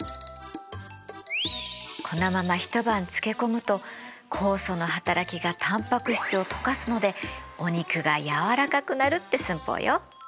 このまま一晩漬け込むと酵素の働きがタンパク質を溶かすのでお肉が柔らかくなるって寸法よ。